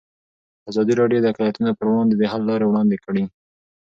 ازادي راډیو د اقلیتونه پر وړاندې د حل لارې وړاندې کړي.